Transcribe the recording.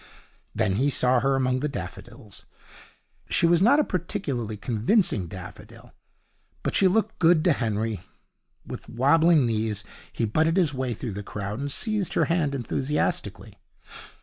Then he saw her, among the daffodils. She was not a particularly convincing daffodil, but she looked good to Henry. With wabbling knees he butted his way through the crowd and seized her hand enthusiastically.